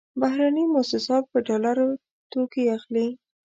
بهرني موسسات په ډالرو توکې اخلي.